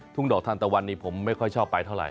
ดอกทานตะวันนี้ผมไม่ค่อยชอบไปเท่าไห